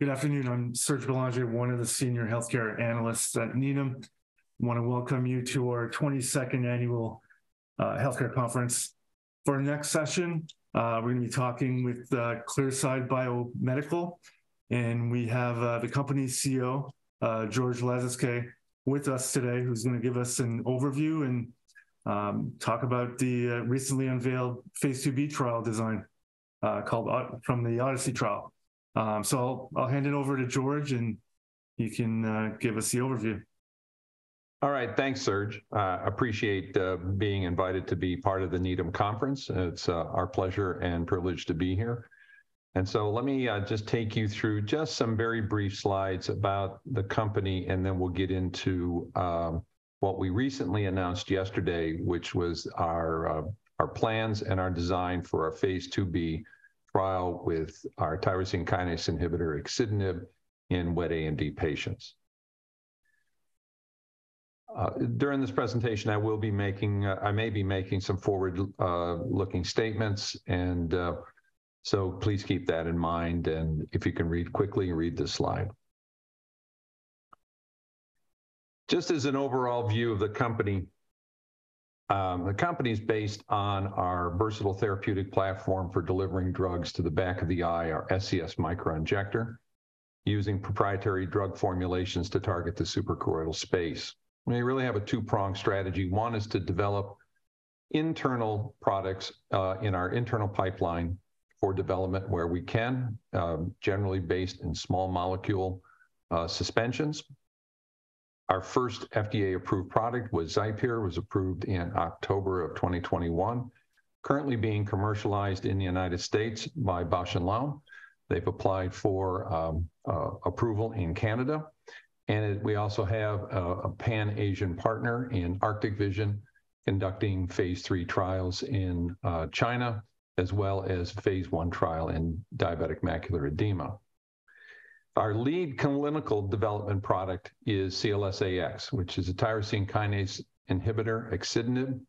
Good afternoon. I'm Serge Bélanger, one of the senior healthcare analysts at Needham. I want to welcome you to our 22nd annual healthcare conference. For our next session, we're going to be talking with Clearside Biomedical, and we have the company's CEO, George Lasezkay, with us today who's going to give us an overview and talk about the recently unveiled phase II-B trial design called from the ODYSSEY trial. I'll hand it over to George, and you can give us the overview. All right. Thanks, Serge. Appreciate being invited to be part of the Needham Conference. It's our pleasure and privilege to be here. Let me just take you through just some very brief slides about the company, and then we'll get into what we recently announced yesterday, which was our plans and our design for our phase II-B trial with our tyrosine kinase inhibitor axitinib in wet AMD patients. During this presentation, I may be making some forward-looking statements and please keep that in mind, and if you can read quickly, read this slide. Just as an overall view of the company, the company is based on our versatile therapeutic platform for delivering drugs to the back of the eye, our SCS Microinjector, using proprietary drug formulations to target the suprachoroidal space. We really have a two-pronged strategy. One is to develop internal products in our internal pipeline for development where we can, generally based in small molecule suspensions. Our first FDA-approved product was XIPERE, was approved in October of 2021, currently being commercialized in the United States by Bausch + Lomb. They've applied for approval in Canada. We also have a Pan-Asian partner in Arctic Vision conducting phase III trials in China, as well as phase I trial in diabetic macular edema. Our lead clinical development product is CLS-AX, which is a tyrosine kinase inhibitor, axitinib,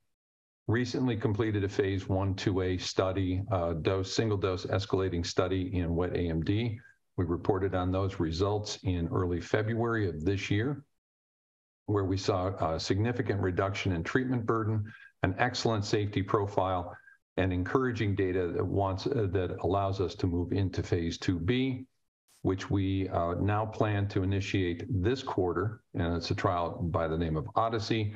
recently completed a phase I/II-A study, dose-escalating study in wet AMD. We reported on those results in early February of this year, where we saw a significant reduction in treatment burden, an excellent safety profile, and encouraging data that allows us to move phase II-B, which we now plan to initiate this quarter, and it's a trial by the name of ODYSSEY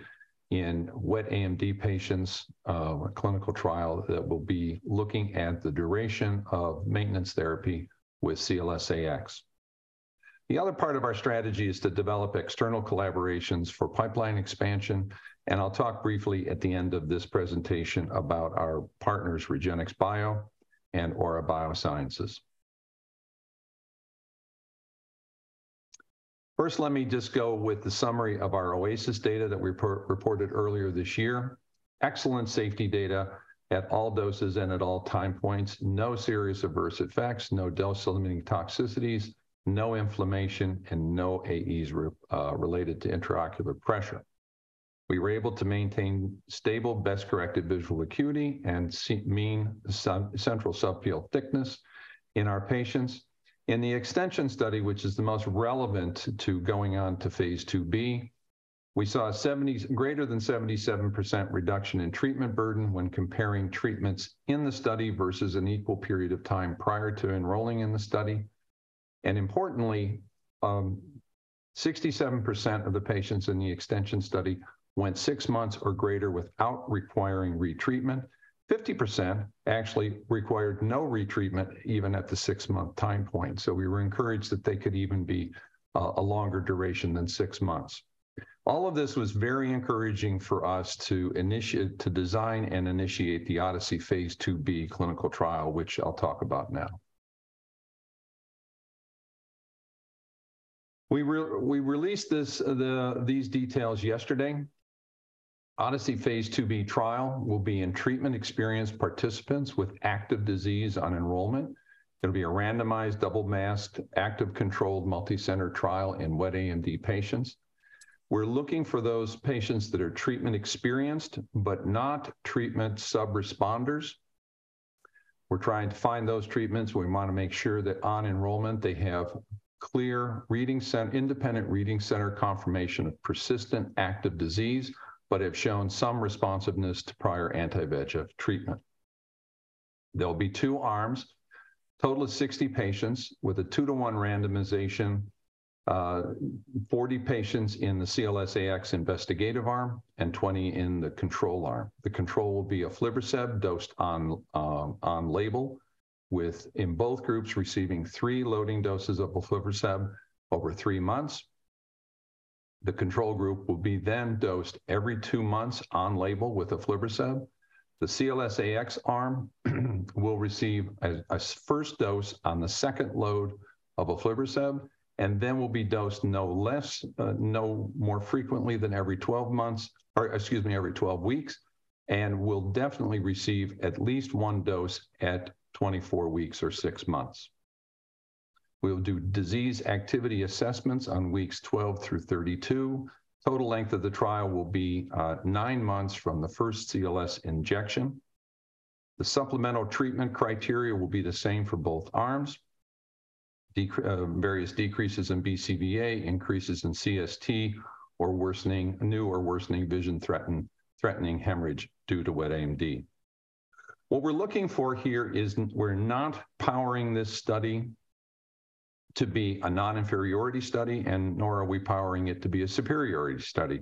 in wet AMD patients, a clinical trial that will be looking at the duration of maintenance therapy with CLS-AX. The other part of our strategy is to develop external collaborations for pipeline expansion, and I'll talk briefly at the end of this presentation about our partners, REGENXBIO and Aura Biosciences. First, let me just go with the summary of our OASIS data that we reported earlier this year. Excellent safety data at all doses and at all time points. No serious adverse effects, no dose-limiting toxicities, no inflammation, and no AEs related to intraocular pressure. We were able to maintain stable best corrected visual acuity and mean central subfield thickness in our patients. In the extension study, which is the most relevant to going on to phase II-B, we saw greater than 77% reduction in treatment burden when comparing treatments in the study versus an equal period of time prior to enrolling in the study. Importantly, 67% of the patients in the extension study went six months or greater without requiring retreatment. 50% actually required no retreatment even at the six-month time point. We were encouraged that they could even be a longer duration than six months. All of this was very encouraging for us to design and initiate the phase II-B clinical trial, which I'll talk about now. We released this, the details yesterday. phase II-B trial will be in treatment experienced participants with active disease on enrollment. It'll be a randomized, double-masked, active controlled multi-center trial in wet AMD patients. We're looking for those patients that are treatment experienced but not treatment subresponders. We're trying to find those treatments. We want to make sure that on enrollment, they have clear independent reading center confirmation of persistent active disease but have shown some responsiveness to prior anti-VEGF treatment. There'll be two arms, total of 60 patients with a two-to-one randomization, 40 patients in the CLS-AX investigative arm and 20 in the control arm. The control will be aflibercept dosed on label with in both groups receiving three loading doses of aflibercept over three months. The control group will be then dosed every two months on label with aflibercept. The CLS-AX arm will receive a first dose on the second load of aflibercept and then will be dosed no less, no more frequently than every 12 months, or excuse me, every 12 weeks, and will definitely receive at least one dose at 24 weeks or six months. We'll do disease activity assessments on weeks 12 through 32. Total length of the trial will be nin months from the first CLS injection. The supplemental treatment criteria will be the same for both arms. various decreases in BCVA, increases in CST, or new or worsening vision threatening hemorrhage due to wet AMD. What we're looking for here is we're not powering this study to be a non-inferiority study, nor are we powering it to be a superiority study.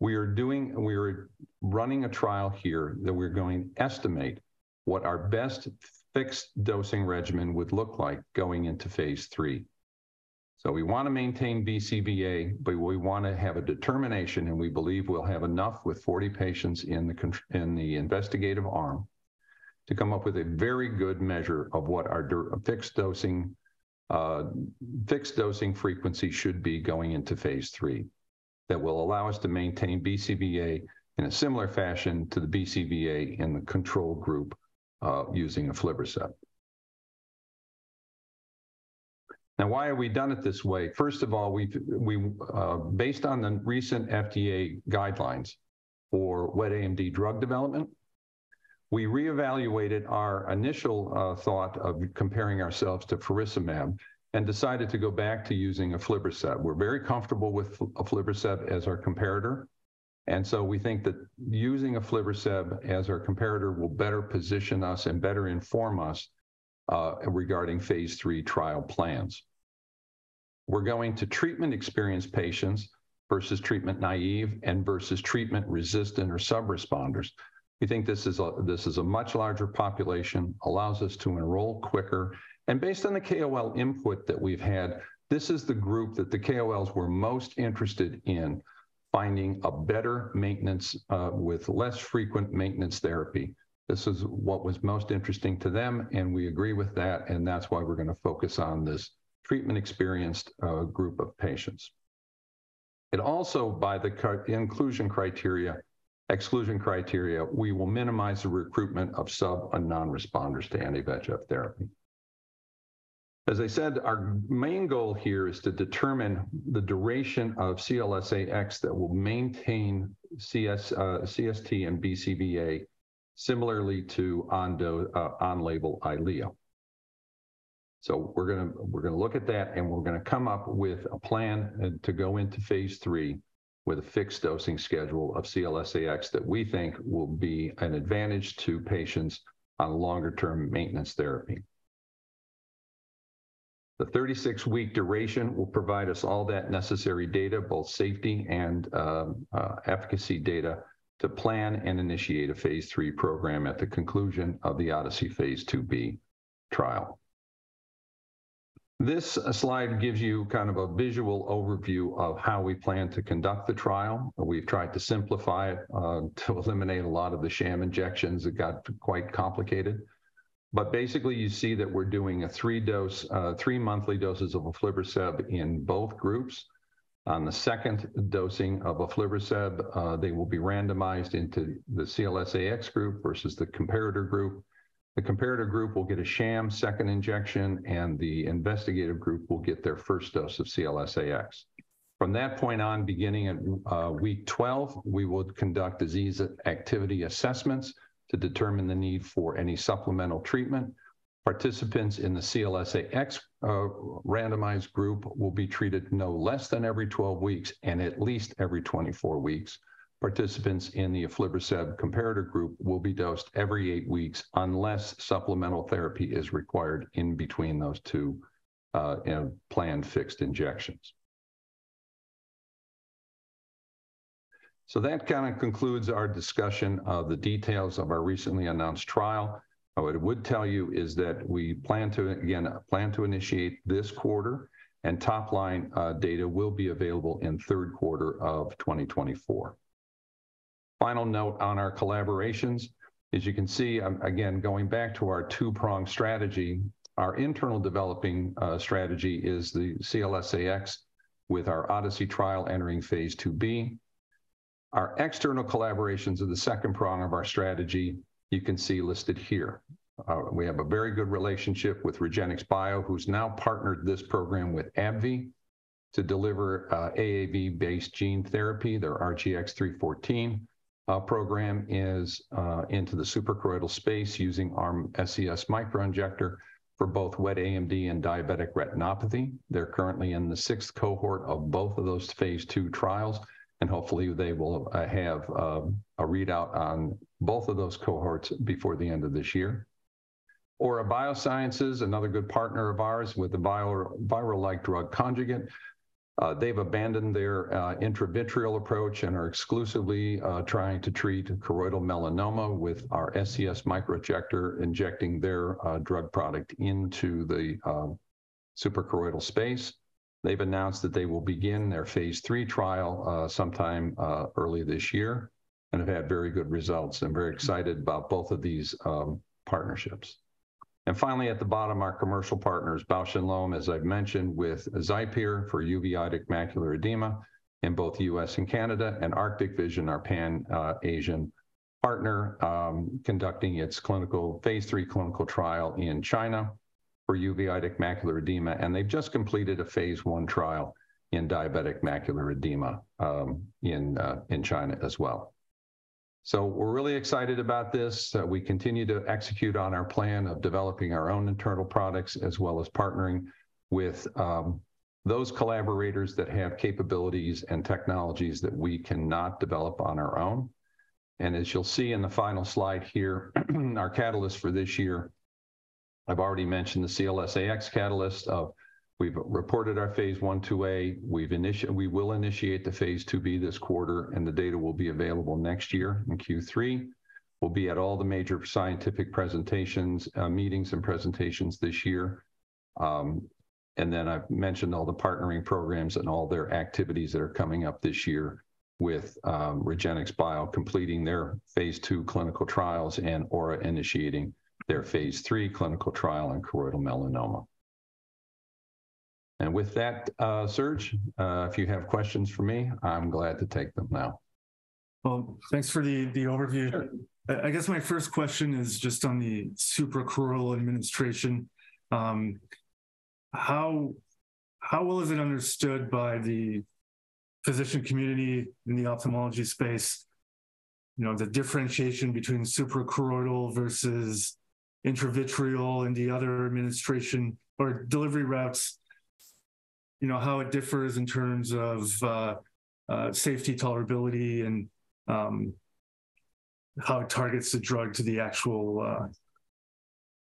We are running a trial here that we're going to estimate what our best fixed dosing regimen would look like going into phase III. We want to maintain BCVA, we want to have a determination, we believe we'll have enough with 40 patients in the investigative arm to come up with a very good measure of what our fixed dosing frequency should be going into phase III that will allow us to maintain BCVA in a similar fashion to the BCVA in the control group, using aflibercept. Why have we done it this way? First of all, we Based on the recent FDA guidelines for wet AMD drug development, we reevaluated our initial thought of comparing ourselves to faricimab and decided to go back to using aflibercept. We're very comfortable with aflibercept as our comparator. We think that using aflibercept as our comparator will better position us and better inform us regarding phase III trial plans. We're going to treatment experienced patients versus treatment naive and versus treatment resistant or subresponders. We think this is a much larger population, allows us to enroll quicker. Based on the KOL input that we've had, this is the group that the KOLs were most interested in finding a better maintenance with less frequent maintenance therapy. This is what was most interesting to them, and we agree with that, and that's why we're going to focus on this treatment-experienced group of patients. It also, by the exclusion criteria, we will minimize the recruitment of sub and non-responders to anti-VEGF therapy. As I said, our main goal here is to determine the duration of CLS-AX that will maintain CST and BCVA similarly to on-label EYLEA. We're going to look at that, and we're going to come up with a plan to go into phase III with a fixed dosing schedule of CLS-AX that we think will be an advantage to patients on longer-term maintenance therapy. The 36-week duration will provide us all that necessary data, both safety and efficacy data, to plan and initiate a phase III program at the conclusion of the ODYSSEY phase II-B trial. This slide gives you kind of a visual overview of how we plan to conduct the trial. We've tried to simplify it to eliminate a lot of the sham injections. It got quite complicated. Basically, you see that we're doing a three dose, three monthly doses of aflibercept in both groups. On the second dosing of aflibercept, they will be randomized into the CLS-AX group versus the comparator group. The comparator group will get a sham second injection, and the investigative group will get their first dose of CLS-AX. From that point on, beginning at week 12, we will conduct disease activity assessments to determine the need for any supplemental treatment. Participants in the CLS-AX randomized group will be treated no less than every 12 weeks and at least every 24 weeks. Participants in the aflibercept comparator group will be dosed every eight weeks unless supplemental therapy is required in between those two, you know, planned fixed injections. That kind of concludes our discussion of the details of our recently announced trial. What I would tell you is that we plan to initiate this quarter, and top-line data will be available in third quarter of 2024. Final note on our collaborations. As you can see, again, going back to our two-pronged strategy, our internal developing strategy is the CLS-AX with our ODYSSEY trial phase II-B. our external collaborations are the second prong of our strategy you can see listed here. We have a very good relationship with REGENXBIO, who's now partnered this program with AbbVie to deliver AAV-based gene therapy. Their RGX-314 program is into the suprachoroidal space using our SCS Microinjector for both wet AMD and diabetic retinopathy. They're currently in the sixth cohort of both of those phase II trials, and hopefully they will have a readout on both of those cohorts before the end of this year. Aura Biosciences, another good partner of ours with the virus-like drug conjugate. They've abandoned their intravitreal approach and are exclusively trying to treat choroidal melanoma with our SCS Microinjector injecting their drug product into the suprachoroidal space. They've announced that they will begin their phase III trial sometime early this year and have had very good results. Finally, at the bottom, our commercial partners, Bausch + Lomb, as I've mentioned, with XIPERE for uveitic macular edema in both U.S. and Canada, and Arctic Vision, our Pan-Asian partner, conducting its phase III clinical trial in China for uveitic macular edema, and they've just completed a phase I trial in diabetic macular edema in China as well. We're really excited about this. We continue to execute on our plan of developing our own internal products as well as partnering with those collaborators that have capabilities and technologies that we cannot develop on our own. As you'll see in the final slide here, our catalyst for this year, I've already mentioned the CLS-AX catalyst of we've reported our phase I/II-A, we will initiate phase II-B this quarter, and the data will be available next year in Q3. We'll be at all the major scientific presentations, meetings, and presentations this year. Then I've mentioned all the partnering programs and all their activities that are coming up this year with REGENXBIO completing their phase II clinical trials and Aura initiating their phase III clinical trial in choroidal melanoma. With that, Surge, if you have questions for me, I'm glad to take them now. Well, thanks for the overview. Sure. I guess my first question is just on the suprachoroidal administration. How well is it understood by the physician community in the ophthalmology space, you know, the differentiation between suprachoroidal versus intravitreal and the other administration or delivery routes, you know, how it differs in terms of safety tolerability and how it targets the drug to the actual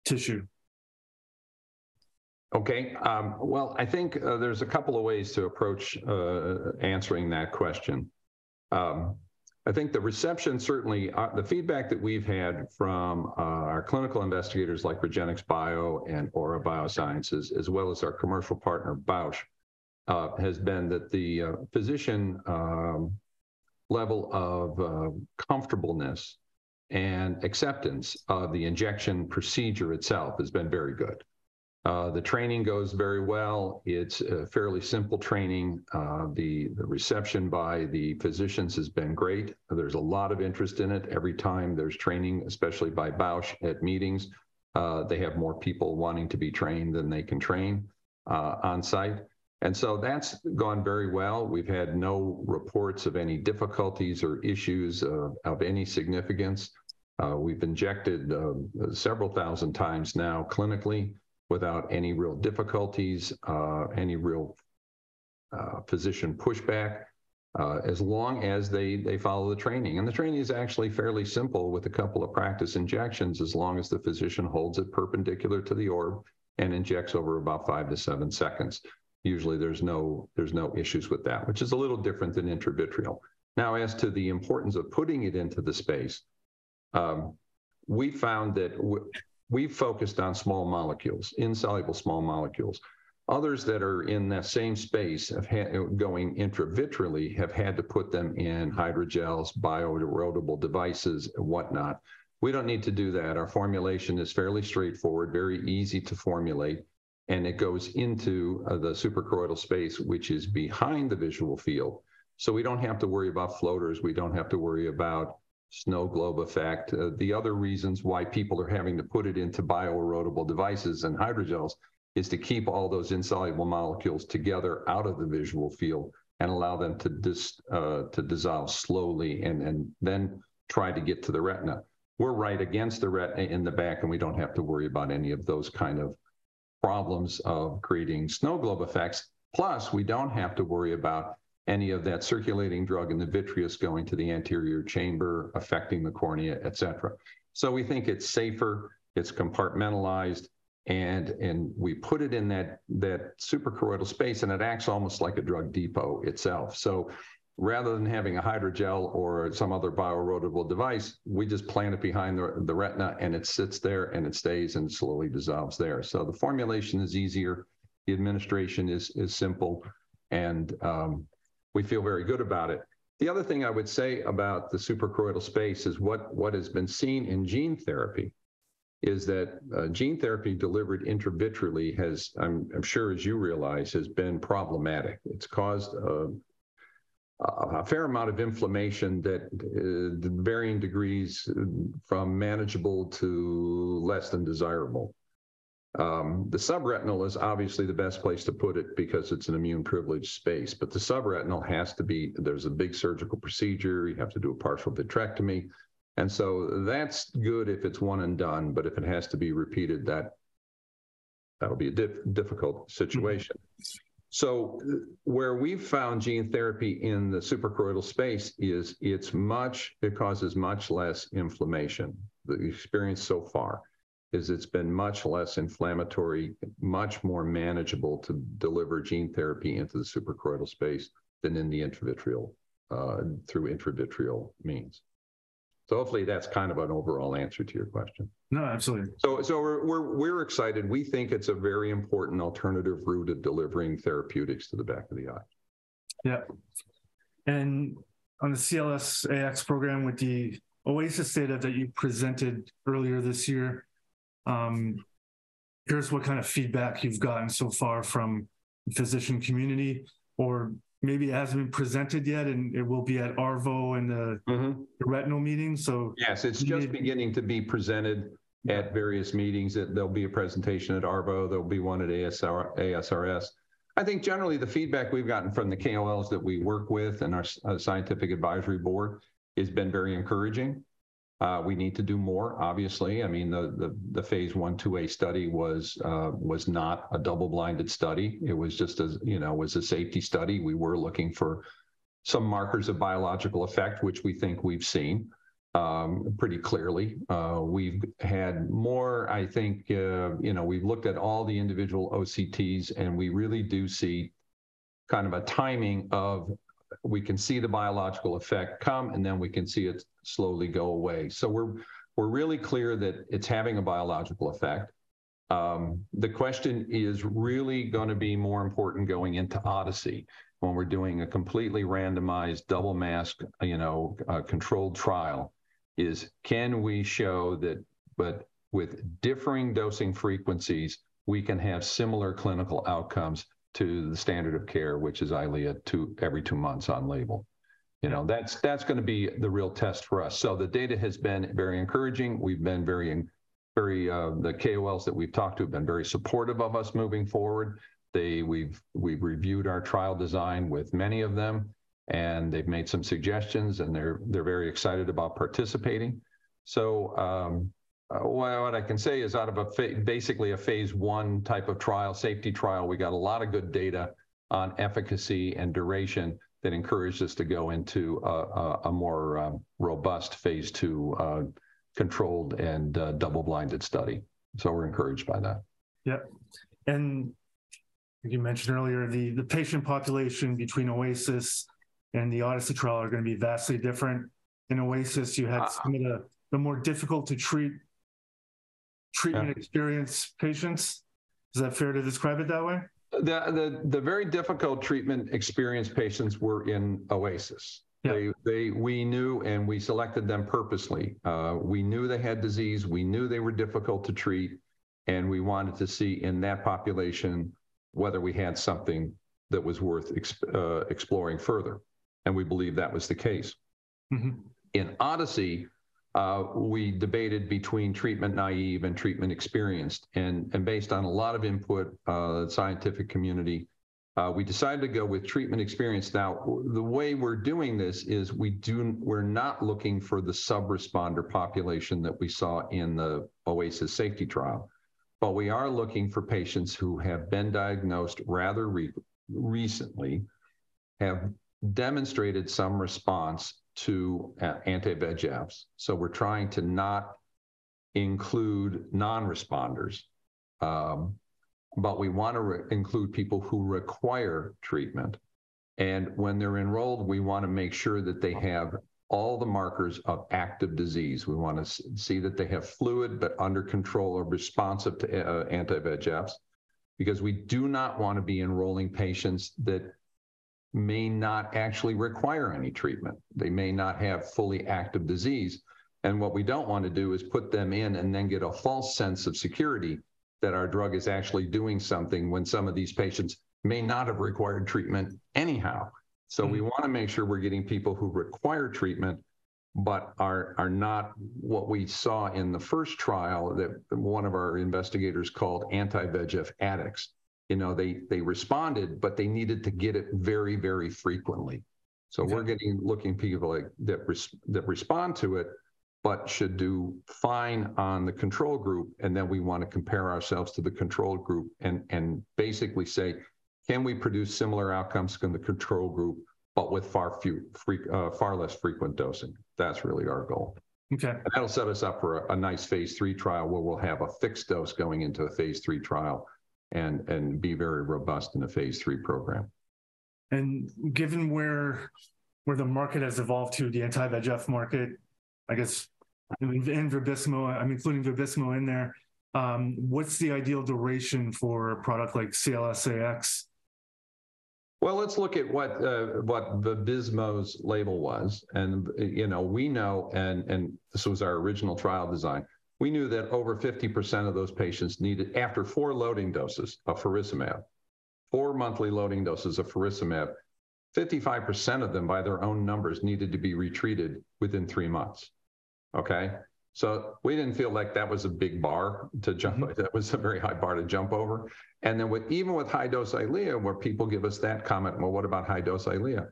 tissue? Okay. Well, I think there's a couple of ways to approach answering that question. I think the reception certainly, the feedback that we've had from our clinical investigators like REGENXBIO and Aura Biosciences, as well as our commercial partner, Bausch, has been that the physician level of comfortableness and acceptance of the injection procedure itself has been very good. The training goes very well. It's a fairly simple training. The reception by the physicians has been great. There's a lot of interest in it. Every time there's training, especially by Bausch at meetings, they have more people wanting to be trained than they can train on-site. That's gone very well. We've had no reports of any difficulties or issues of any significance. We've injected several thousand times now clinically without any real difficulties, any real physician pushback, as long as they follow the training. The training is actually fairly simple with a couple of practice injections as long as the physician holds it perpendicular to the orb and injects over about five to seven seconds. Usually, there's no issues with that, which is a little different than intravitreal. As to the importance of putting it into the space, we found that we focused on small molecules, insoluble small molecules. Others that are in that same space have going intravitreally have had to put them in hydrogels, bio-erodible devices, and whatnot. We don't need to do that. Our formulation is fairly straightforward, very easy to formulate, and it goes into the suprachoroidal space, which is behind the visual field. We don't have to worry about floaters, we don't have to worry about snow globe effect. The other reasons why people are having to put it into bio-erodible devices and hydrogels is to keep all those insoluble molecules together out of the visual field and allow them to dissolve slowly and then try to get to the retina. We're right against in the back, we don't have to worry about any of those kind of problems of creating snow globe effects. Plus, we don't have to worry about any of that circulating drug in the vitreous going to the anterior chamber, affecting the cornea, etc. We think it's safer, it's compartmentalized, and we put it in that suprachoroidal space, and it acts almost like a drug depot itself. Rather than having a hydrogel or some other bio-erodible device, we just plant it behind the retina, and it sits there, and it stays and slowly dissolves there. The formulation is easier, the administration is simple, and we feel very good about it. The other thing I would say about the suprachoroidal space is what has been seen in gene therapy is that gene therapy delivered intravitreally has, I'm sure as you realize, has been problematic. It's caused a fair amount of inflammation that the varying degrees from manageable to less than desirable. The subretinal is obviously the best place to put it because it's an immune privileged space. The subretinal there's a big surgical procedure, you have to do a partial vitrectomy. That's good if it's one and done, but if it has to be repeated, that'll be a difficult situation. Mm-hmm. Where we found gene therapy in the suprachoroidal space is it causes much less inflammation. The experience so far is it's been much less inflammatory, much more manageable to deliver gene therapy into the suprachoroidal space than in the intravitreal, through intravitreal means. Hopefully that's kind of an overall answer to your question. No, absolutely. We're excited. We think it's a very important alternative route of delivering therapeutics to the back of the eye. Yeah. On the CLS-AX program with the OASIS data that you presented earlier this year, curious what kind of feedback you've gotten so far physician community, or maybe it hasn't been presented yet, and it will be at ARVO? Mm-hmm the retinal meeting. Yes, it's just beginning to be presented at various meetings. There'll be a presentation at ARVO. There'll be one at ASRS. Generally the feedback we've gotten from the KOLs that we work with and our scientific advisory board has been very encouraging. We need to do more, obviously. I mean, the phase I/II-A study was not a double-blinded study. It was just a you know, it was a safety study. We were looking for some markers of biological effect, which we think we've seen pretty clearly. We've had more, I think, you know, we've looked at all the individual OCTs. We really do see kind of a timing of we can see the biological effect come, and then we can see it slowly go away. We're really clear that it's having a biological effect. The question is really gonna be more important going into ODYSSEY when we're doing a completely randomized double mask, you know, a controlled trial, is can we show that but with differing dosing frequencies, we can have similar clinical outcomes to the standard of care, which is EYLEA to every two months on label? You know, that's gonna be the real test for us. The data has been very encouraging. We've been very, the KOLs that we've talked to have been very supportive of us moving forward. We've reviewed our trial design with many of them, and they've made some suggestions, and they're very excited about participating. Well, what I can say is out of basically a phase I type of trial, safety trial, we got a lot of good data on efficacy and duration that encouraged us to go into a more robust phase II controlled and double-blinded study. We're encouraged by that. Yep. You mentioned earlier, the patient population between OASIS and the ODYSSEY trial are gonna be vastly different. In OASIS, you had some of the more difficult to treat treatment experienced patients. Is that fair to describe it that way? The very difficult treatment experienced patients were in OASIS. Yeah. We knew. We selected them purposely. We knew they had disease, we knew they were difficult to treat. We wanted to see in that population whether we had something that was worth exploring further. We believe that was the case. Mm-hmm. In ODYSSEY, we debated between treatment naive and treatment experienced. Based on a lot of input, the scientific community, we decided to go with treatment experienced. The way we're doing this is we're not looking for the sub-responder population that we saw in the OASIS safety trial, but we are looking for patients who have been diagnosed rather recently, have demonstrated some response to anti-VEGFs. We're trying to not include non-responders. We wanna include people who require treatment. When they're enrolled, we wanna make sure that they have all the markers of active disease. We wanna see that they have fluid but under control or responsive to anti-VEGFs because we do not wanna be enrolling patients that may not actually require any treatment. They may not have fully active disease. What we don't want to do is put them in and then get a false sense of security that our drug is actually doing something when some of these patients may not have required treatment anyhow. We wanna make sure we're getting people who require treatment but are not what we saw in the first trial that one of our investigators called anti-VEGF addicts. You know, they responded, but they needed to get it very frequently. Yeah. We're looking for people like that respond to it but should do fine on the control group, we wanna compare ourselves to the control group and basically say, "Can we produce similar outcomes from the control group but with far less frequent dosing?" That's really our goal. Okay. That'll set us up for a nice phase III trial where we'll have a fixed dose going into a phase III trial and be very robust in a phase III program. Given where the market has evolved to, the anti-VEGF market, I guess, I mean, and VABYSMO, I'm including VABYSMO in there, what's the ideal duration for a product like CLS-AX? Well, let's look at what VABYSMO's label was. You know, we know, and this was our original trial design, we knew that over 50% of those patients needed, after 4 loading doses of faricimab, four monthly loading doses of faricimab, 55% of them, by their own numbers, needed to be retreated within three months. Okay? We didn't feel like that was a big bar to jump. That was a very high bar to jump over. Even with EYLEA HD, where people give us that comment, "Well, what about EYLEA HD?"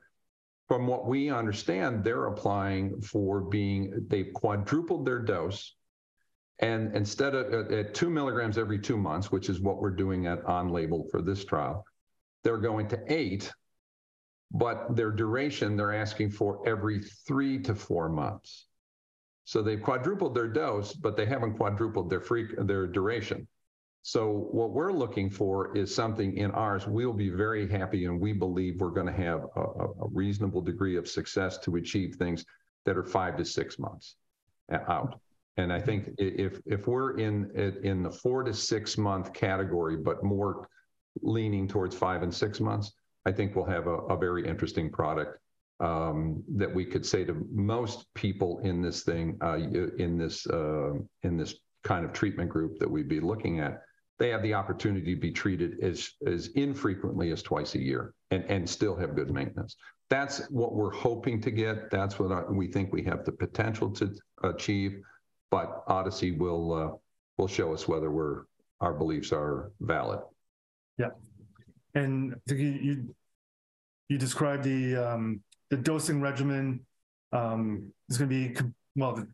From what we understand, they're applying for they've quadrupled their dose, and instead of at 2 mg every two months, which is what we're doing at on label for this trial, they're going to 8, but their duration, they're asking for every 3 months-4 months. They've quadrupled their dose, but they haven't quadrupled their duration. What we're looking for is something in ours. We'll be very happy, and we believe we're going to have a reasonable degree of success to achieve things that are 5-6 months out. I think if we're in the 4-6 month category, but more leaning towards 5 and 6 months, I think we'll have a very interesting product. That we could say to most people in this thing, in this kind of treatment group that we'd be looking at, they have the opportunity to be treated as infrequently as twice a year and still have good maintenance. That's what we're hoping to get. That's what we think we have the potential to achieve. ODYSSEY will show us whether our beliefs are valid. Yeah. you described the dosing regimen is gonna be Well,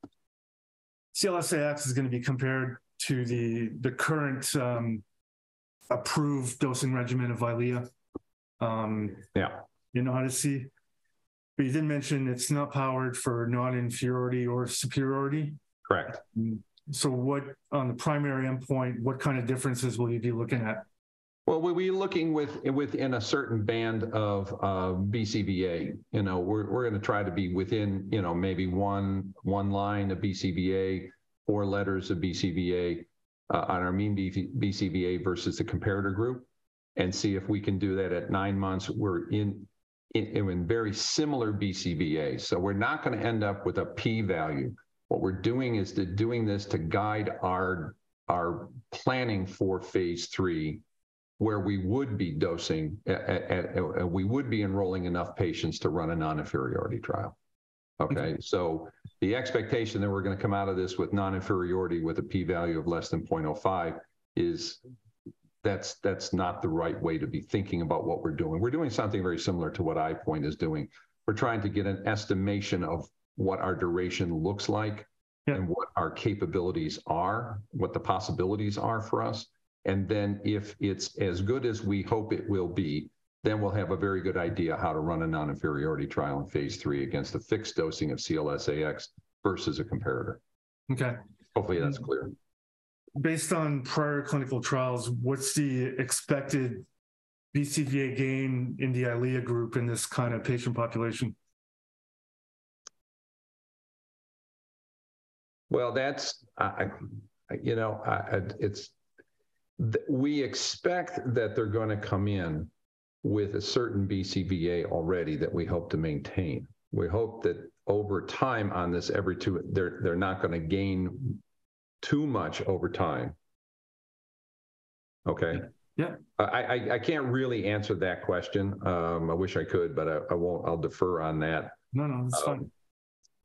CLS-AX is gonna be compared to the current approved dosing regimen of EYLEA. Yeah. In ODYSSEY. You did mention it's not powered for non-inferiority or superiority. Correct. Mm-hmm. On the primary endpoint, what kind of differences will you be looking at? Well, we'll be looking within a certain band of BCVA. You know, we're gonna try to be within, you know, maybe one line of BCVA or letters of BCVA on our mean BCVA versus the comparator group, and see if we can do that at nine months. We're in very similar BCVA. We're not gonna end up with a p-value. What we're doing is doing this to guide our planning for phase III, where we would be dosing a we would be enrolling enough patients to run a non-inferiority trial. Okay? The expectation that we're gonna come out of this with non-inferiority with a p-value of less than 0.05 is that's not the right way to be thinking about what we're doing. We're doing something very similar to what EyePoint is doing. We're trying to get an estimation of what our duration looks like. Yeah What our capabilities are, what the possibilities are for us. If it's as good as we hope it will be, then we'll have a very good idea how to run a non-inferiority trial in phase III against a fixed dosing of CLS-AX versus a comparator. Okay. Hopefully that's clear. Based on prior clinical trials, what's the expected BCVA gain in the EYLEA group in this kind of patient population? Well, I. You know, I. We expect that they're gonna come in with a certain BCVA already that we hope to maintain. We hope that over time on this every two... They're not gonna gain too much over time. Okay? Yeah. I can't really answer that question. I wish I could, but I won't. I'll defer on that. No, no. That's fine.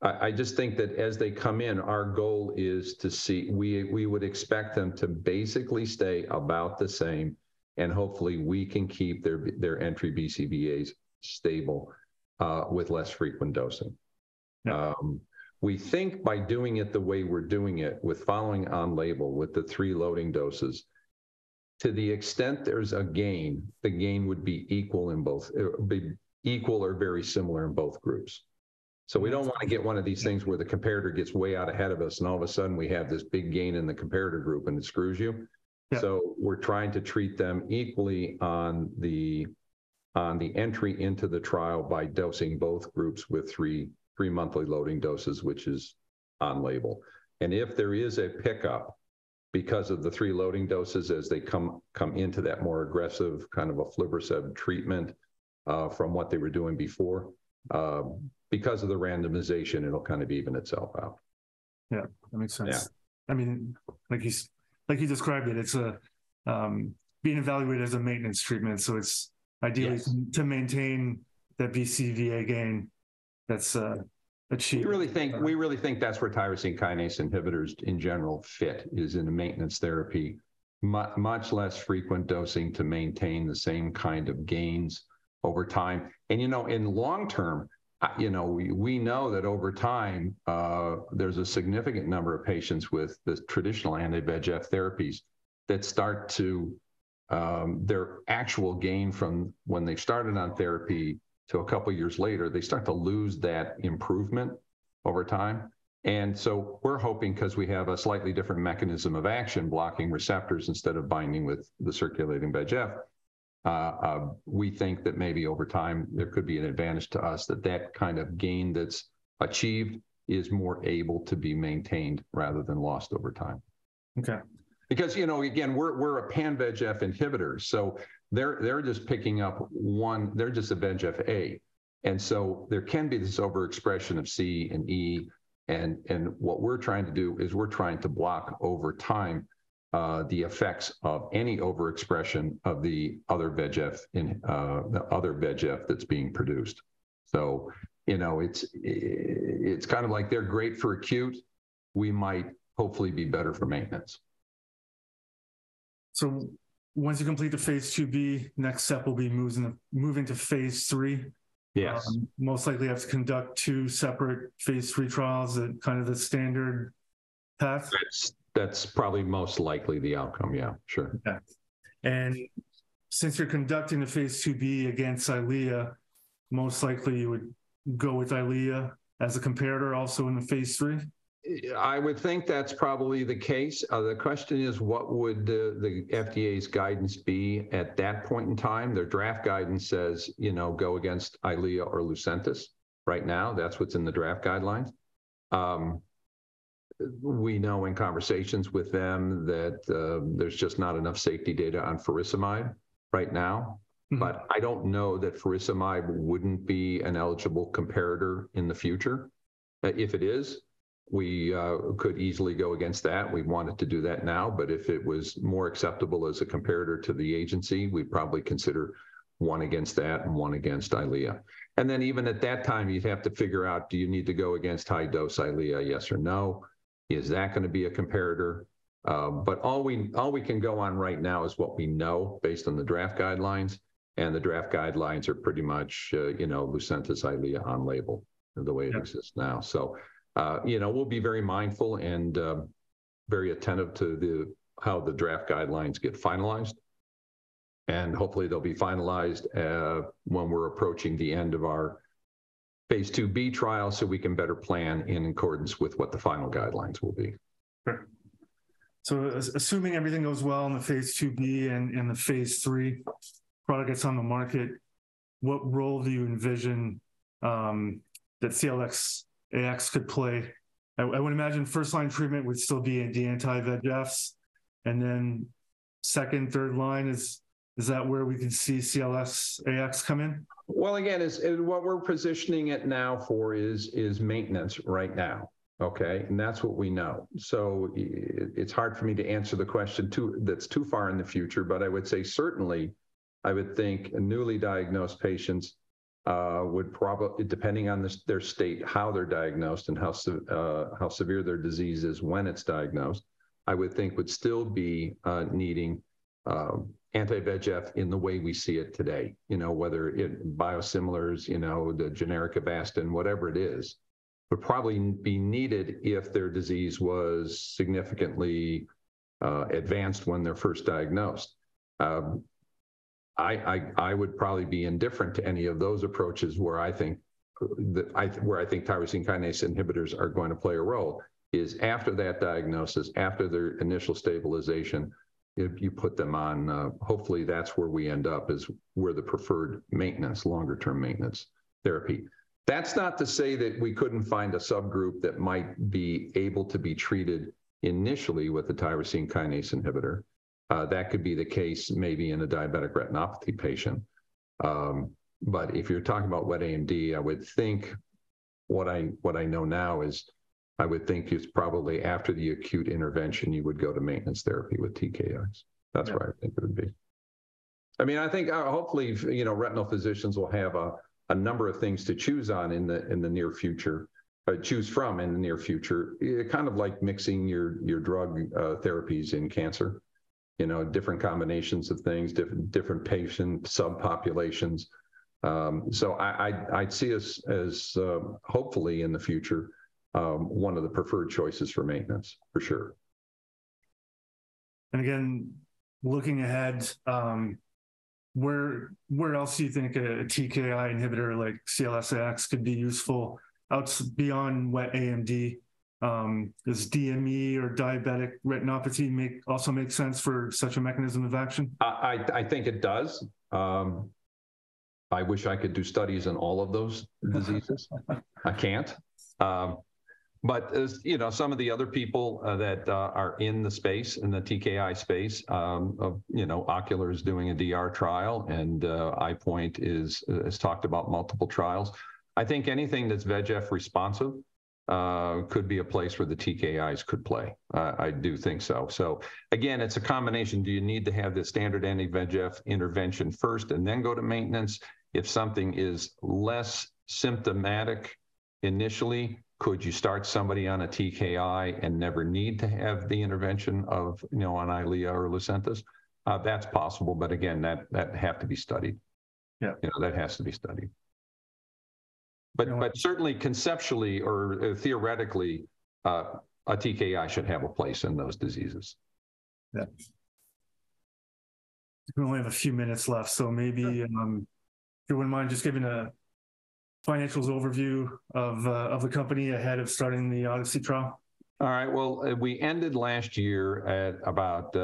I just think that as they come in, our goal is to see. We would expect them to basically stay about the same, and hopefully we can keep their entry BCVAs stable with less frequent dosing. Yeah. We think by doing it the way we're doing it, with following on-label with the three loading doses, to the extent there's a gain, the gain would be equal or very similar in both groups. We don't wanna get one of these things where the comparator gets way out ahead of us, and all of a sudden we have this big gain in the comparator group, and it screws you. Yeah. We're trying to treat them equally on the entry into the trial by dosing both groups with three three-monthly loading doses, which is on label. If there is a pickup because of the 3 loading doses as they come into that more aggressive kind of aflibercept treatment, from what they were doing before, because of the randomization, it'll kind of even itself out. Yeah. That makes sense. Yeah. I mean, like you described it's a being evaluated as a maintenance treatment. Yes... ideally to maintain the BCVA gain that's achieved. We really think that's where tyrosine kinase inhibitors in general fit is in a maintenance therapy much less frequent dosing to maintain the same kind of gains over time. You know, in long term, you know, we know that over time, there's a significant number of patients with the traditional anti-VEGF therapies that start to their actual gain from when they started on therapy to a couple years later, they start to lose that improvement over time. We're hoping, because we have a slightly different mechanism of action, blocking receptors instead of binding with the circulating VEGF, we think that maybe over time there could be an advantage to us that that kind of gain that's achieved is more able to be maintained rather than lost over time. Okay. You know, again, we're a pan-VEGF inhibitor, so they're just picking up one. They're just a VEGF-A. There can be this overexpression of C and E, and what we're trying to do is we're trying to block over time, the effects of any overexpression of the other VEGF in the other VEGF that's being produced. You know, it's kind of like they're great for acute, we might hopefully be better for maintenance. Once you complete phase II-B, next step will be moving to phase III. Yes. most likely have to conduct two separate phase III trials at kind of the standard path? That's probably most likely the outcome. Yeah, sure. Yeah. Since you're conducting the phase II-B against EYLEA, most likely you would go with EYLEA as a comparator also in the phase III? I would think that's probably the case. The question is, what would the FDA's guidance be at that point in time? Their draft guidance says, you know, go against EYLEA or LUCENTIS. Right now, that's what's in the draft guidelines. We know in conversations with them that there's just not enough safety data on faricimab right now. Mm-hmm. I don't know that faricimab wouldn't be an eligible comparator in the future. If it is, we could easily go against that. We've wanted to do that now, if it was more acceptable as a comparator to the agency, we'd probably consider one against that and one against EYLEA. Even at that time, you'd have to figure out, do you need to go against high-dose EYLEA, yes or no? Is that gonna be a comparator? All we can go on right now is what we know based on the draft guidelines, and the draft guidelines are pretty much, you know, LUCENTIS, EYLEA on label the way... Yeah... it exists now. you know, we'll be very mindful and very attentive to the how the draft guidelines get finalized, and hopefully they'll be finalized when we're approaching the end of our phase II-B trial so we can better plan in accordance with what the final guidelines will be. Sure. Assuming everything goes well in the phase II-B and the phase III, product gets on the market, what role do you envision that CLS-AX could play? I would imagine first line treatment would still be the anti-VEGFs, and then second, third line is that where we could see CLS-AX come in? Well, again, what we're positioning it now for is maintenance right now, okay? That's what we know. It's hard for me to answer the question too, that's too far in the future. I would say certainly, I would think newly diagnosed patients would depending on this, their state, how they're diagnosed, and how severe their disease is when it's diagnosed, I would think would still be needing anti-VEGF in the way we see it today. You know, whether it, biosimilars, you know, the generic Avastin, whatever it is, would probably be needed if their disease was significantly advanced when they're first diagnosed. I would probably be indifferent to any of those approaches where I think tyrosine kinase inhibitors are going to play a role is after that diagnosis, after their initial stabilization, if you put them on, hopefully that's where we end up is we're the preferred maintenance, longer term maintenance therapy. That's not to say that we couldn't find a subgroup that might be able to be treated initially with a tyrosine kinase inhibitor. That could be the case maybe in a diabetic retinopathy patient. If you're talking about wet AMD, I would think what I know now is I would think it's probably after the acute intervention, you would go to maintenance therapy with TKIs. Yeah. That's where I think it would be. I mean, I think, hopefully, you know, retinal physicians will have a number of things to choose on in the near future, choose from in the near future. kind of like mixing your drug therapies in cancer. You know, different combinations of things, different patient subpopulations. I'd see us as, hopefully in the future, one of the preferred choices for maintenance, for sure. Again, looking ahead, where else do you think a TKI inhibitor like CLS-AX could be useful out beyond wet AMD? Does DME or diabetic retinopathy also make sense for such a mechanism of action? I think it does. I wish I could do studies on all of those diseases. I can't. As you know, some of the other people that are in the space, in the TKI space, of, you know, Ocular is doing a DR trial, and EyePoint is has talked about multiple trials. I think anything that's VEGF responsive could be a place where the TKIs could play. I do think so. Again, it's a combination. Do you need to have the standard anti-VEGF intervention first and then go to maintenance? If something is less symptomatic initially, could you start somebody on a TKI and never need to have the intervention of, you know, on EYLEA or LUCENTIS? That's possible, again, that'd have to be studied. Yeah. You know, that has to be studied. You know. Certainly conceptually or, theoretically, a TKI should have a place in those diseases. Yeah. We only have a few minutes left, so maybe- Okay... you wouldn't mind just giving a financials overview of the company ahead of starting the ODYSSEY trial. All right. Well, we ended last year at about, it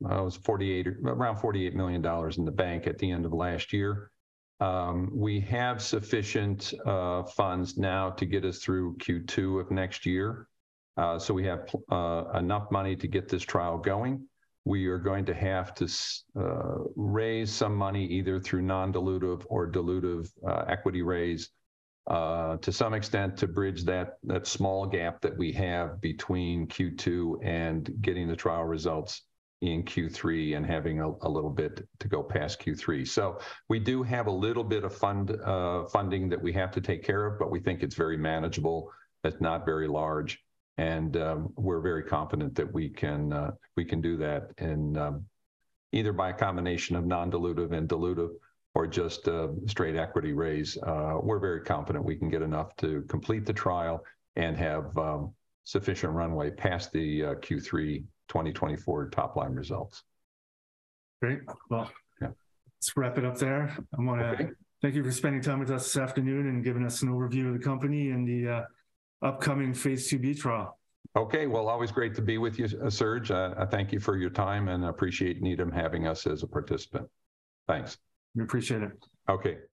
was $48 million, around $48 million in the bank at the end of last year. We have sufficient funds now to get us through Q2 of next year. We have enough money to get this trial going. We are going to have to raise some money either through non-dilutive or dilutive equity raise to some extent to bridge that small gap that we have between Q2 and getting the trial results in Q3 and having a little bit to go past Q3. We do have a little bit of fund funding that we have to take care of, but we think it's very manageable. It's not very large, and we're very confident that we can do that. Either by a combination of non-dilutive and dilutive or just a straight equity raise, we're very confident we can get enough to complete the trial and have sufficient runway past the Q3 2024 top line results. Great. Yeah let's wrap it up there. Okay... thank you for spending time with us this afternoon and giving us an overview of the company and the phase II-B trial. Okay. Well, always great to be with you, Serge. I thank you for your time and appreciate Needham having us as a participant. Thanks. We appreciate it. Okay.